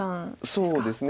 そうですね。